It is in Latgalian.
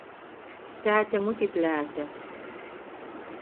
Tēte muti plēte.